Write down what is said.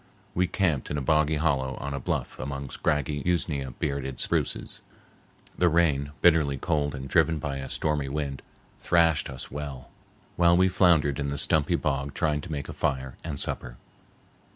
We camped in a boggy hollow on a bluff among scraggy, usnea bearded spruces. The rain, bitterly cold and driven by a stormy wind, thrashed us well while we floundered in the stumpy bog trying to make a fire and supper.